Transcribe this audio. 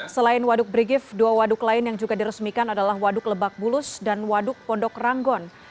selain waduk brigif dua waduk lain yang juga diresmikan adalah waduk lebak bulus dan waduk pondok ranggon